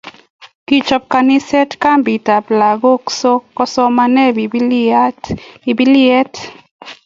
Kichob kanisa kambit ab lokok so kosoman bibiliait